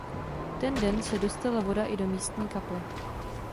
Ten den se dostala voda i do místní kaple.